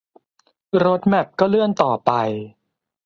โรดแมปก็เลื่อนต่อไป